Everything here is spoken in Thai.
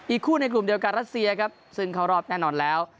คู่ในกลุ่มเดียวกับรัสเซียครับซึ่งเข้ารอบแน่นอนแล้ว